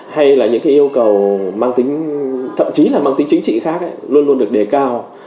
hay là những cái yêu cầu mang tính thậm chí là mang tính chính trị khác luôn luôn được đề cao